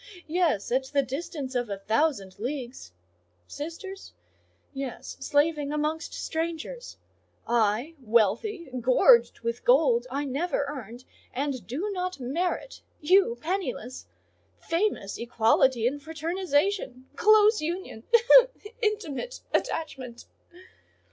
Yes; at the distance of a thousand leagues! Sisters? Yes; slaving amongst strangers! I, wealthy—gorged with gold I never earned and do not merit! You, penniless! Famous equality and fraternisation! Close union! Intimate attachment!"